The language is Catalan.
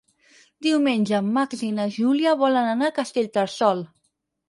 Diumenge en Max i na Júlia van a Castellterçol.